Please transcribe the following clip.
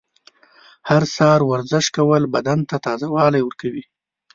هر سهار ورزش کول بدن ته تازه والی ورکوي.